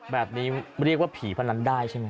แบบนี้เรียกว่าผีพนันได้ใช่ไหม